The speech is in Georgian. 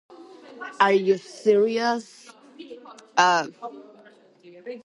ამის შემდეგ, კუბას ტურიზმის, განვითარებისა და ინვესტიციების სფეროში დომინიკელთა რესპუბლიკამ გაასწრო.